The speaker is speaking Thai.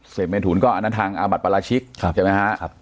เศรษฐ์เมียนถูนก็อาณทางอาบัตรปราชิกเห็นไหมครับ